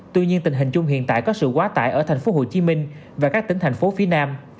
tuy nhiên tình hình chung hiện tại có sự quá tải ở tp hcm và các tỉnh thành phố phía nam